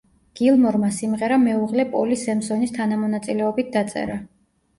გილმორმა სიმღერა მეუღლე პოლი სემსონის თანამონაწილეობით დაწერა.